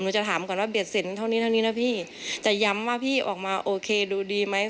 จะถามก่อนว่าเด็ดเสร็จเท่านี้เท่านี้นะพี่จะย้ำว่าพี่ออกมาโอเคดูดีไหม